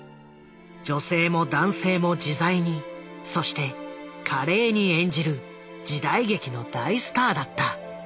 女性も男性も自在にそして華麗に演じる時代劇の大スターだった。